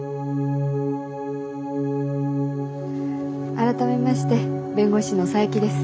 改めまして弁護士の佐伯です。